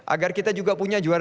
agar kita juga punya juara